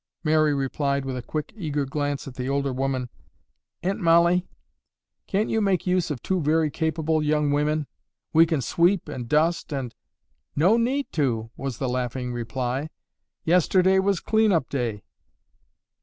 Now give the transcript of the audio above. Mary replied, with a quick eager glance at the older woman, "Aunt Mollie, can't you make use of two very capable young women? We can sweep and dust and—" "No need to!" was the laughing reply. "Yesterday was clean up day."